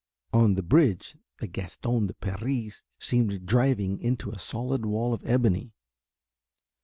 On the bridge the Gaston de Paris seemed driving into a solid wall of ebony.